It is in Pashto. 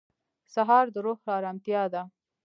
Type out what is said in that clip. سهار د روح ارامتیا ده.